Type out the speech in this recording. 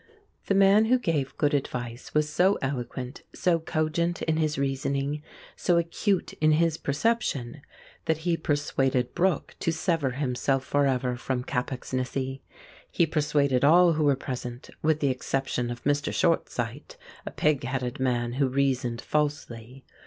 The man who gave good advice was so eloquent, so cogent in his reasoning, so acute in his perception, that he persuaded Brooke to sever himself for ever from Capax Nissy. He persuaded all who were present, with the exception of Mr. Short Sight, a pig headed man who reasoned falsely.